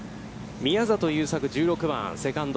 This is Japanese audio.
宮里優作、１６番、セカンド。